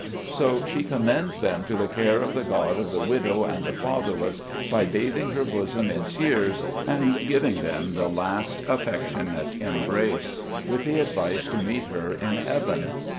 So she commends them to the care of the God of the widow and the fatherless, by bath ing her bosom in tears, and giving them the last 188 SKETCHES OF SLAVE LIFE. affectionate embrace, with the advice to meet her in heaven.